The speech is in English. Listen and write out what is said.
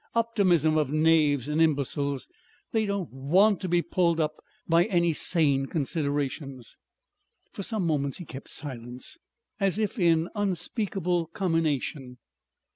Optimism of knaves and imbeciles.... They don't want to be pulled up by any sane considerations...." For some moments he kept silence as if in unspeakable commination.